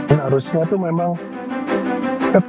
ini harusnya tuh memang